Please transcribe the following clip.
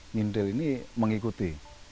ngintil ini mengikuti